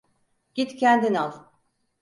Git kendin al.